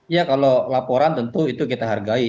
ya kalau laporan tentu itu kita hargai